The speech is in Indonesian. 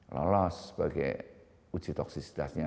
lolos sebagai uji toksisitasnya